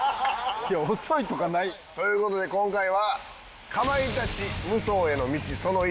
いや遅いとかない。という事で今回は。